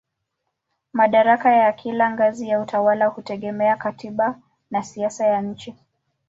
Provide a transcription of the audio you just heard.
Madaraka ya kila ngazi ya utawala hutegemea katiba na siasa ya nchi.